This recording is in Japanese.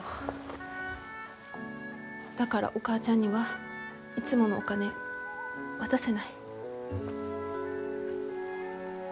だからお母ちゃんにはいつものお金渡せない。